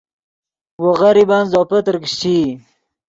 وو غریبن زوپے ترکیشچئی